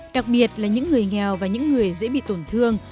đặc biệt là những người nghèo và những người dễ bị tổn thương